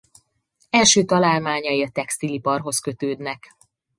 Első találmányai a textiliparhoz kötődnek.